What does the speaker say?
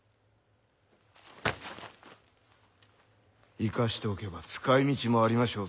生かしておけば使いみちもありましょうぞ。